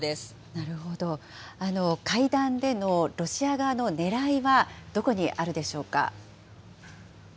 なるほど、会談でのロシア側のねらいはどこにあるでしょうか。